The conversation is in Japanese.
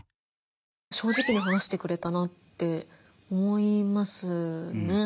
正直に話してくれたなって思いますね。